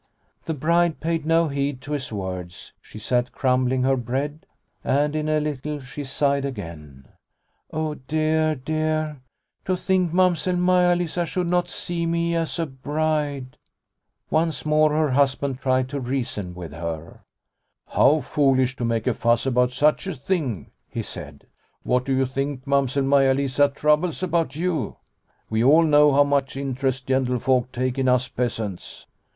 The bride paid no heed to his words. She sat crumbling her bread, and in a little she sighed again : "Oh dear, dear, to think Mamsell Maia Lisa should not see me as a bride !" Once more her husband tried to reason with her " How foolish to make a fuss about such a thing," he said. " What do you think Mam sell Maia Lisa troubles about you ? We all know how much interest gentlefolk take in us peasants